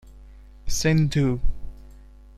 Sindhu.